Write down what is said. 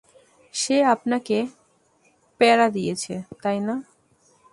সে আপনাকে প্যারা দিয়েছে, তাই না?